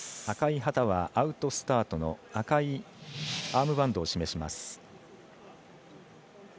赤い旗はアウトスタートの赤いアームバンドを示します。